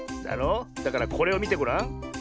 だろ？だからこれをみてごらん。